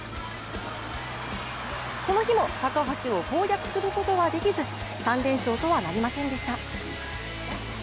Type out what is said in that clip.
この日も高橋を攻略することはできず３連勝とはなりませんでした。